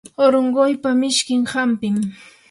urunquypa mishkin hampim.